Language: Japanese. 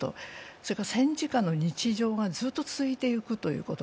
それから戦時下の日常がずっと続いていくということ。